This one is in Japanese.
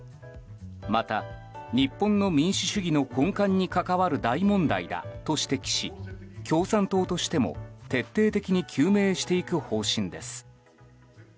また、日本の民主主義の根幹に関わる大問題だと指摘し共産党としても徹底的に究明していく方針です。